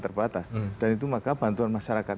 terbatas dan itu maka bantuan masyarakat